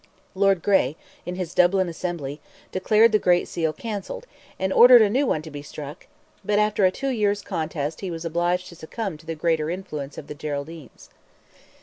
Lord Grey, in his Dublin Assembly, declared the great seal cancelled, and ordered a new one to be struck, but after a two years' contest he was obliged to succumb to the greater influence of the Geraldines.